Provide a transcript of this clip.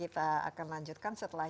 boleh kita jumpa di bersama bps